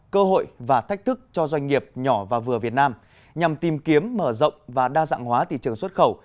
cơ hội và thách thức cho doanh nghiệp nhỏ và vừa việt nam nhằm tìm kiếm mở rộng và đa dạng hóa thị trường xuất khẩu